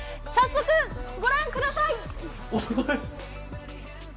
早速、ご覧ください。